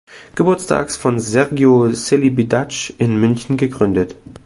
Geburtstags von Sergiu Celibidache in München gegründet.